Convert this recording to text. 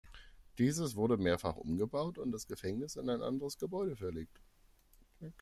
Dieses wurde mehrfach umgebaut und das Gefängnis in ein anderes Gebäude verlegt.